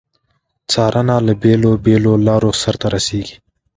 څارنه له بیلو بېلو لارو سرته رسیږي.